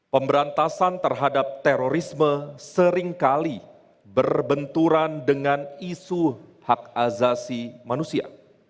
pemberantasan terhadap terorisme seringkali berbenturan dengan isu hak azasi manusia